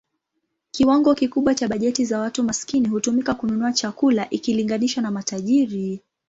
Kiwango kikubwa cha bajeti za watu maskini hutumika kununua chakula ikilinganishwa na matajiri.